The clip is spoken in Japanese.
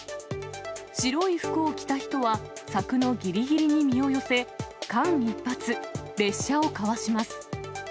白い服を着た人は、柵のぎりぎりに身を寄せ、間一髪、列車をかわします。